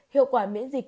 hiệu quả miễn dịch